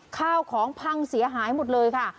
ข้าวของพังเสียหายหมดเลยค่ะ